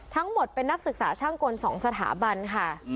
ทั้งหมดเป็นนักศึกษาช่างกล๒สถาบันค่ะ